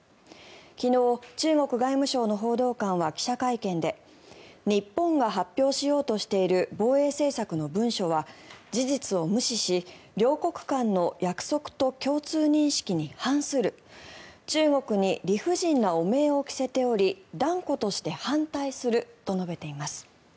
昨日、中国外務省の報道官は記者会見で日本が発表しようとしている防衛政策の文書は事実を無視し両国間の約束と共通認識に反する中国に理不尽な汚名を着せており断固として反対すると述べています。